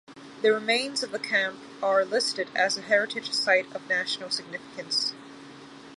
The remains of the camp are listed as a heritage site of national significance.